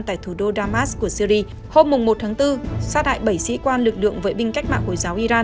tại thủ đô damas của syri hôm một tháng bốn sát hại bảy sĩ quan lực lượng vệ binh cách mạng hồi giáo iran